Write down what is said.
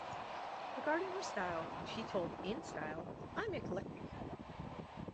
Regarding her style, she told "InStyle", "I'm eclectic.